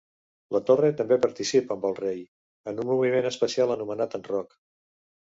La torre també participa, amb el rei, en un moviment especial anomenat enroc.